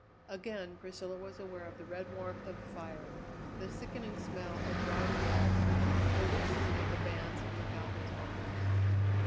Again Priscilla was aware of the red warmth of the fire, the sickening smell of drying wool, the loosening of the bands of McAlpin's arms.